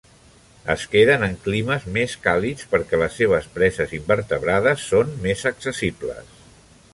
Es queden en climes més càlids perquè les seves preses invertebrades són més accessibles.